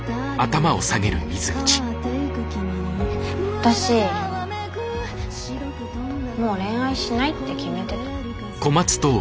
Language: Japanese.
私もう恋愛しないって決めてた。